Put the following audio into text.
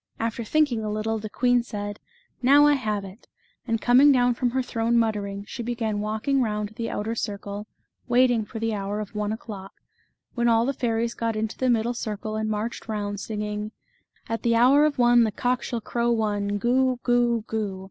After think ing a little, the queen said, " Now I have it," and coming down from her throne muttering, she began walking round the outer circle, waiting for the hour of one o'clock, when all the fairies got into the middle circle and marched round, singing : "At the hour of one The cock shall crow one, Goo! Goo! Goo!